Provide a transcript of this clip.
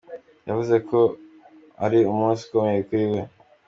Yavuze ko ari umunsi ukomeye kuri we.